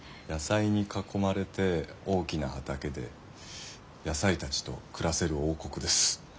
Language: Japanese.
野菜に囲まれて大きな畑で野菜たちと暮らせる王国です。